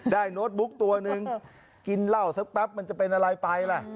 โน้ตบุ๊กตัวนึงกินเหล้าสักแป๊บมันจะเป็นอะไรไปล่ะ